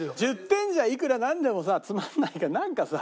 １０点じゃいくらなんでもさつまらないからなんかさ。